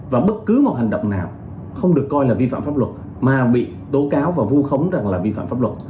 và bất cứ một hành động nào không được coi là vi phạm pháp luật mà bị tố cáo và vu khống rằng là vi phạm pháp luật